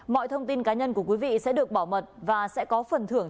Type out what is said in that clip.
mọi thông tin cá nhân của quý vị sẽ được bảo mật và sẽ có phần thưởng